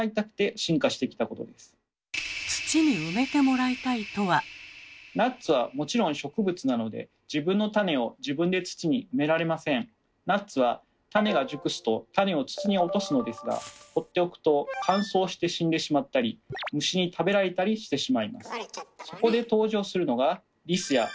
それはナッツはもちろん植物なのでナッツは種が熟すと種を土に落とすのですがほっておくと乾燥して死んでしまったり虫に食べられたりしてしまいます。